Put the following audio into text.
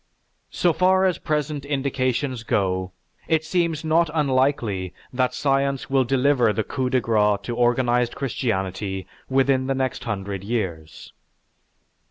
So far as present indications go, it seems not unlikely that science will deliver the coup de grace to organized Christianity within the next hundred years."